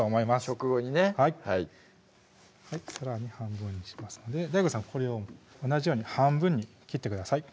食後にねさらに半分にしますのでＤＡＩＧＯさんこれを同じように半分に切ってください